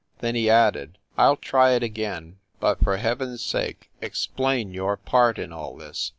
Then he added, "I ll try it again; but for heaven s sake explain your part in all this